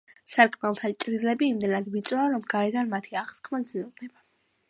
სარკმელთა ჭრილები იმდენად ვიწროა, რომ გარედან მათი აღქმა ძნელდება.